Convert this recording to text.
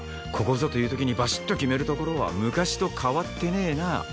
ここぞという時にバシッと決めるところは昔と変わってねえな。